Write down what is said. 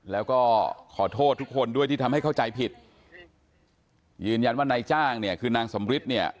แล้วก็ขอโทษทุกคนด้วยที่ทำให้เข้าใจผิดยืนยันว่านายจ้างเนี่ยคือนางสำริทเนี่ย